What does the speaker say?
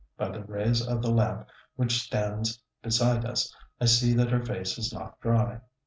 By the rays of the lamp, which stands beside us, I see that her face is not dry.